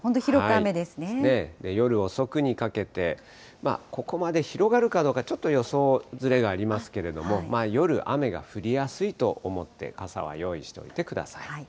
夜遅くにかけて、ここまで広がるかどうか、ちょっと予想、ずれがありますけれども、夜、雨が降りやすいと思って、傘は用意しておいてください。